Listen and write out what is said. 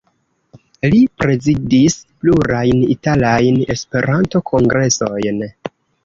Li prezidis plurajn italajn Esperanto-kongresojn.